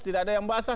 tidak ada yang basah